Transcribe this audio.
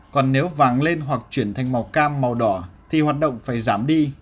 còn nếu vàng lên hoặc chuyển thành màu cam màu đỏ thì hoạt động phải giảm đi